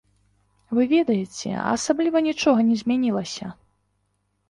Вы ведаеце, асабліва нічога не змянілася.